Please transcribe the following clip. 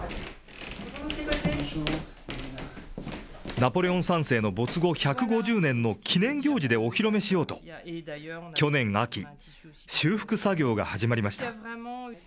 ナポレオン３世の没後１５０年の記念行事でお披露目しようと、去年秋、修復作業が始まりました。